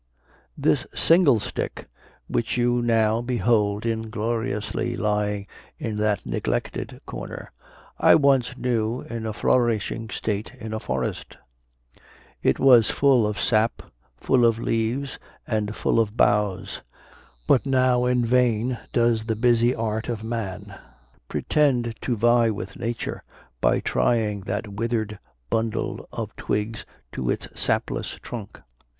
This single stick, which you now behold ingloriously lying in that neglected corner, I once knew in a flourishing state in a forest; it was full of sap, full of leaves, and full of boughs: but now in vain does the busy art of man pretend to vie with nature, by tying that withered bundle of twigs to its sapless trunk.